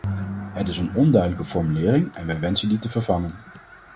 Het is een onduidelijke formulering en wij wensen die te vervangen.